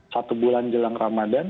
satu bulan jelang ramadan